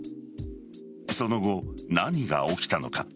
その後、何が起きたのか。